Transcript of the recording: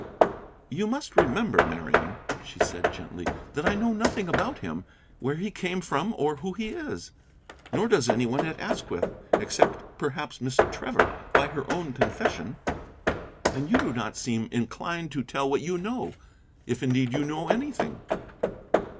"You must remember, Marian," she said gently, "that I know nothing about him, where he came from, or who he is. Nor does any one at Asquith, except perhaps Miss Trevor, by her own confession. And you do not seem inclined to tell what you know, if indeed you know anything."